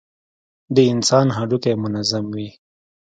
د انسان هډوکى منظم وي.